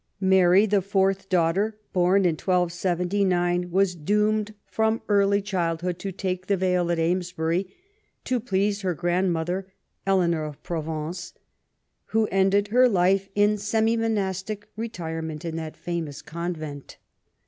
Mary, the fourth daughter, born in 1279, was doomed from early childhood to take the veil at Amesbury to please her grandmother, Eleanor of Provence, who ended her life in semi monastic retire ment in that famous convent.